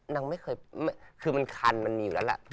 นางไม่เคยคือมันคันมันมีอยู่แล้วแหละ